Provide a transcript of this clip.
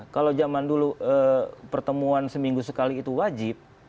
kalau zaman dulu pertemuan seminggu sekali itu wajib